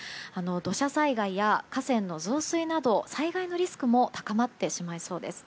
土砂災害や河川の増水など災害のリスクも高まってしまいそうです。